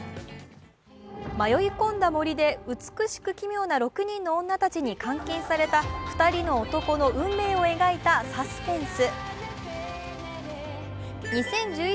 迷い込んだ森で美しく奇妙な６人の女たちに監禁された２人の男の運命を描いたサスペンス。